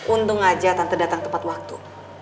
untung aja tante datang tempat waktu